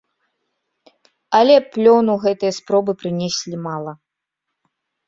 Але плёну гэтыя спробы прынеслі мала.